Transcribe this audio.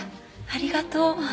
ありがとう。